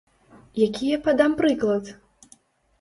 Які я падам прыклад?